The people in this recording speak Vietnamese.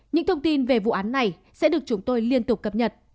những thông tin về vụ án này sẽ được chúng tôi liên tục cập nhật